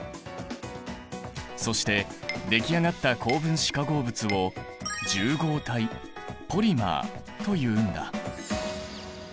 そしてでき上がった高分子化合物を重合体ポリマーというんだ。